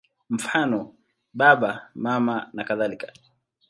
Mfano: Baba, Mama nakadhalika.